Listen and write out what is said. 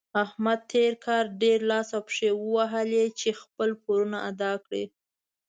احمد تېر کار ډېر لاس او پښې ووهلې چې خپل پورونه ادا کړي.